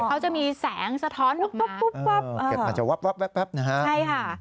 เขาจะมีแสงสะท้อนออกมาอาจจะวับนะฮะใช่ค่ะ